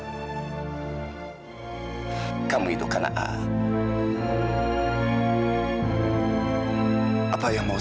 tidak globa mereka adalaheng omong